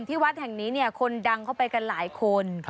วัดแห่งนี้เนี่ยคนดังเข้าไปกันหลายคน